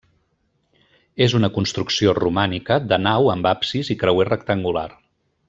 És una construcció romànica de nau amb absis i creuer rectangular.